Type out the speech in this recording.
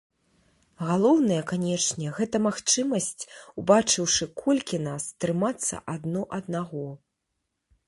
Галоўнае, канечне, гэта магчымасць, убачыўшы, колькі нас, трымацца адно аднаго.